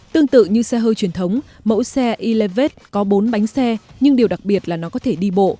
tương tự như xe hơi truyền thống mẫu xe elevez có bốn bánh xe nhưng điều đặc biệt là nó có thể đi bộ